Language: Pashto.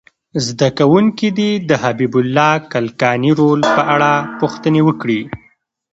زده کوونکي دې د حبیب الله کلکاني رول په اړه پوښتنې وکړي.